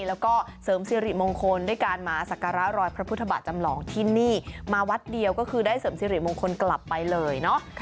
แล้วก็เสริมสิริมงคลด้วยการมาสักการะรอยพระพุทธบาทจำลองที่นี่มาวัดเดียวก็คือได้เสริมสิริมงคลกลับไปเลยเนาะ